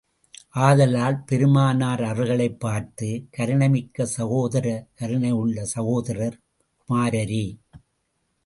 ஆதலால், பெருமானார் அவர்களைப் பார்த்து, கருணைமிக்க சகோதர கருணை உள்ள சகோதரர் குமாரரே!